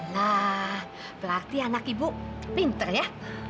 nah berarti anak ibu pinter ya